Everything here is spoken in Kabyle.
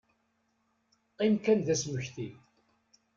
Qqim kan d asmekti.